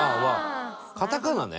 カタカナね。